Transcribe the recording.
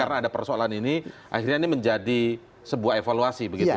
karena ada persoalan ini akhirnya ini menjadi sebuah evaluasi begitu pak